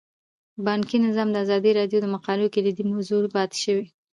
بانکي نظام د ازادي راډیو د مقالو کلیدي موضوع پاتې شوی.